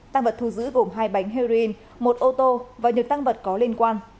tăng vật thu giữ gồm hai bánh heroin một ô tô và nhiều tăng vật có liên quan